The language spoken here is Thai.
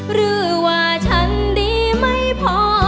หรือว่าฉันดีไม่พอ